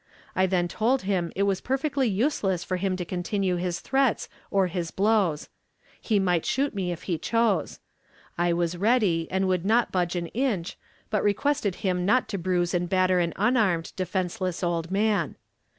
I then told him it was perfectly useless for him to continue his threats or his blows. He might shoot me if he chose. I was ready and would not budge an inch, but requested him not to bruise and batter an unarmed, defenseless old man.